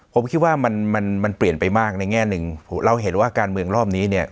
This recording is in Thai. ผมคิดว่ามันมันเปลี่ยนไปมากในแง่หนึ่งเราเห็นว่าการเมืองรอบนี้เนี่ย